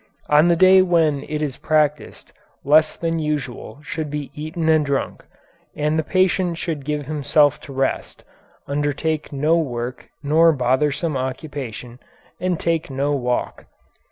On the day when it is practised less than usual should be eaten and drunk, and the patient should give himself to rest, undertake no work nor bothersome occupation, and take no walk.